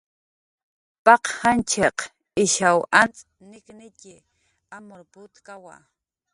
Paq janchiq ishaw antz nik'nitxi, amur putkawa